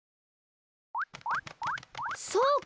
そうか！